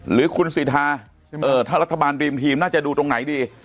หรือคุณสิทาถ้ารัฐบาลรีมทีมน่าจะดูตรงไหนดี